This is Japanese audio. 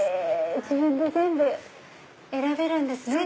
自分で全部選べるんですね。